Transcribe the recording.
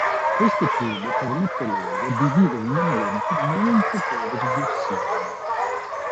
Questo tubo permette loro di vivere in ambienti molto poveri di ossigeno.